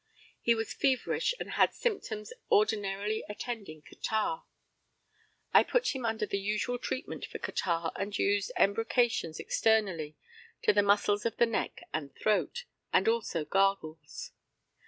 He was feverish, and had symptoms ordinarily attending catarrh. I put him under the usual treatment for catarrh, and used embrocations externally to the muscles of the neck and throat, and also gargles.